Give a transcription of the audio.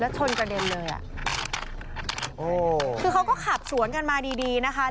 ชนกระเด็นเลยอ่ะโอ้คือเขาก็ขับสวนกันมาดีดีนะคะ